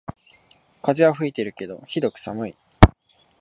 風は吹いてるけどひどく暑い